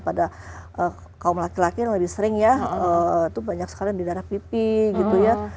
pada kaum laki laki yang lebih sering ya itu banyak sekali di darah pipi gitu ya